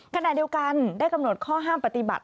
ขณะเดียวกันได้กำหนดข้อห้ามปฏิบัติ